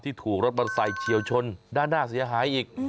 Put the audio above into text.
ถูกรถมอเตอร์ไซค์เฉียวชนด้านหน้าเสียหายอีก